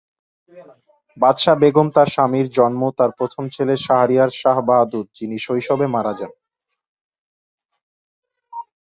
বাদশা বেগম তার স্বামীর জন্ম তাঁর প্রথম ছেলে শাহরিয়ার শাহ বাহাদুর, যিনি শৈশবে মারা যান।